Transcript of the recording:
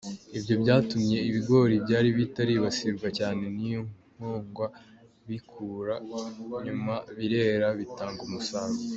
Ibyo byatumye ibigori byari bitaribasirwa cyane n’iyo nkongwa bikura, nyuma birera bitanga umusaruro.